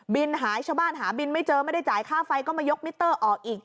หายชาวบ้านหาบินไม่เจอไม่ได้จ่ายค่าไฟก็มายกมิเตอร์ออกอีก